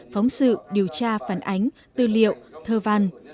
phóng sự điều tra phản ánh tư liệu thơ văn